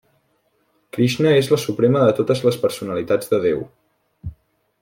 Krixna és la suprema de totes les personalitats de Déu.